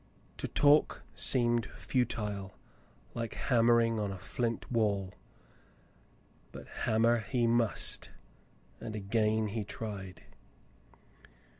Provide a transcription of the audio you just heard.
To talk seemed futile, like hammering upon a flint wall ; but hammer he must, and again he tried.